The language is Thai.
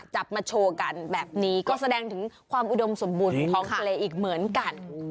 จับมาโชว์กันแบบนี้ก็แสดงถึงความอุดมสมบูรณ์ของทะเลอีกเหมือนกัน